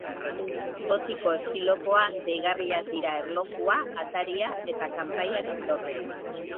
Gotiko estilokoa, deigarriak dira erlojua, ataria eta kanpaiaren dorrea.